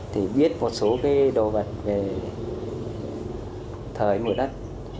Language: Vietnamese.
để biết một số cái đồ vật về thời mở đất